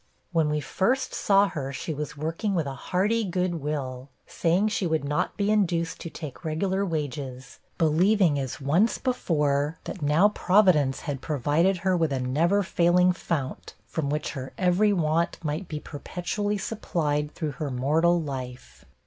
When we first saw her, she was working with a hearty good will; saying she would not be induced to take regular wages, believing, as once before, that now Providence had provided her with a never failing fount, from which her every want might be perpetually supplied through her mortal life.